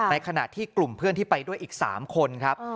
ในขณะที่กลุ่มเพื่อนที่ไปด้วยอีก๓คนครับ